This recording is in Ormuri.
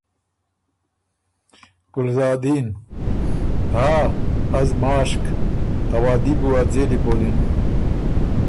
ګلزادین: ها از ماشک، ا وعدي بُو ا ځېلی پولِن